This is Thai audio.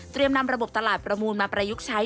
นำระบบตลาดประมูลมาประยุกต์ใช้